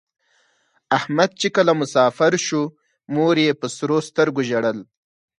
احمد چې کله مسافر شو مور یې په سرو سترگو ژړل.